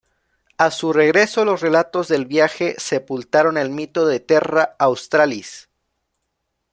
A su regreso los relatos del viaje sepultaron el mito de Terra Australis.